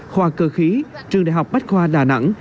khoa cơ khí trường đại học bách khoa đà nẵng